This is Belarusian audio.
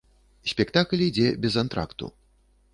Спектакль ідзе без антракту.